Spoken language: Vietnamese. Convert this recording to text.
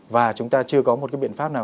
và chúng ta chưa có một cái biện pháp nào